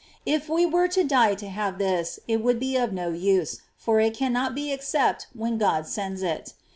If we were to die to have this, it would be of no use, for it cannot be except when God sends it.